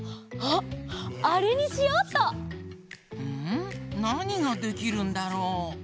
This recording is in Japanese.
なにができるんだろう？